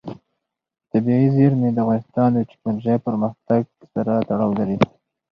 طبیعي زیرمې د افغانستان د تکنالوژۍ پرمختګ سره تړاو لري.